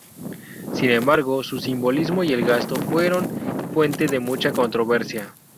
Sin embargo, su simbolismo y el gasto fueron fuente de mucha controversia.